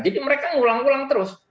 jadi mereka ulang ulang terus